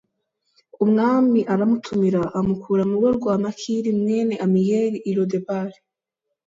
Umwami aramutumira, amukura mu rugo rwa Makiri mwene Amiyeli i Lodebari.